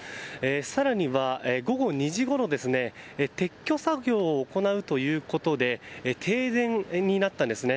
更には午後２時ごろに撤去作業を行うということで停電になったんですね。